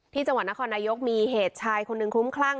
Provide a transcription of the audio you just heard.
ที่จังหวัดนครนายกมีเหตุชายคนหนึ่งคลุ้มคลั่ง